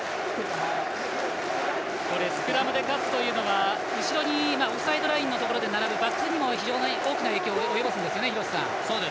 スクラムで勝つというのは後ろオフサイドラインのところに並ぶバックスにも非常に大きな影響を及ぼすんですよね。